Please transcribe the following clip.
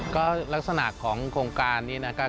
ก็ลักษณะของโครงการนี้นะครับ